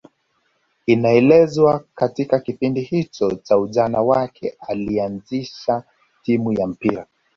Inaelezwa katika kipindi hicho cha ujana wake alianzisha timu ya mpira